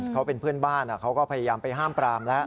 เขาเป็นเพื่อนบ้านเขาก็พยายามไปห้ามปรามแล้ว